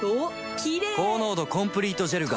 キレイ高濃度コンプリートジェルが